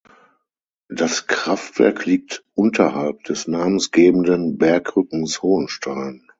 Das Kraftwerk liegt unterhalb des namensgebenden Bergrückens Hohenstein.